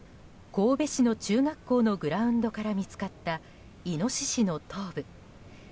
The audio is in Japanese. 神戸市の中学校のグラウンドから見つかったイノシシの頭部。